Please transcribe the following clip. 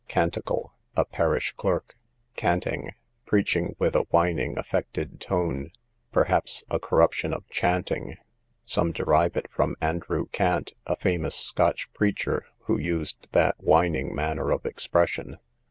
Canticle, a parish clerk. Canting, preaching with a whining affected tone, perhaps a corruption of chaunting; some derive it from Andrew Cant, a famous Scotch preacher, who used that whining manner of expression.